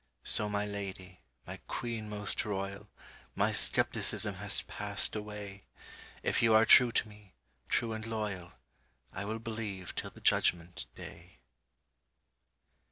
So my lady, my queen most royal, My skepticism has passed away; If you are true to me, true and loyal, I will believe till the Judgment day.